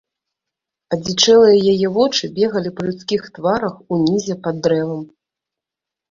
Адзічэлыя яе вочы бегалі па людскіх тварах унізе пад дрэвам.